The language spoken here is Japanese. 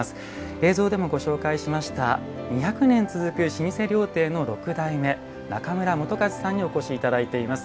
映像でもご紹介しました２００年続く老舗料亭の六代目中村元計さんにお越しいただいています。